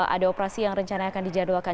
ada operasi yang rencana akan dijadwalkan